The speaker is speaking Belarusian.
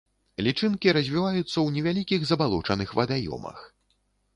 Лічынкі развіваюцца ў невялікіх забалочаных вадаёмах.